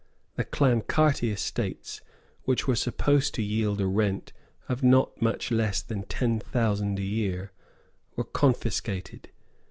The Clancarty estates, which were supposed to yield a rent of not much less than ten thousand a year, were confiscated.